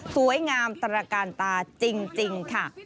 สวยงามตระการตาจริงค่ะ